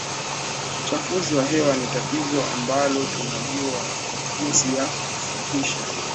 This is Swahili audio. Uchafuzi wa hewa ni tatizo ambalo tunajua jinsi ya kusuluhisha